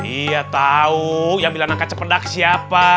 iya tau yang bilang angkat cependak siapa